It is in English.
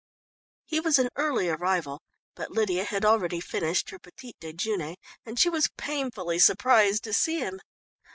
He was an early arrival, but Lydia had already finished her petite déjeuner and she was painfully surprised to see him.